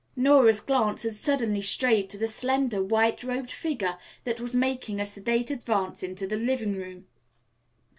Nora's glance had suddenly strayed to the slender, white robed figure that was making a sedate advance into the living room.